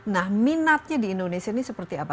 nah minatnya di indonesia ini seperti apa